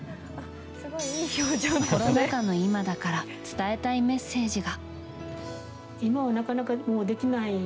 コロナ禍の今だから伝えたいメッセージが。